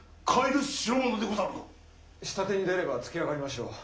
下手に出ればつけあがりましょう。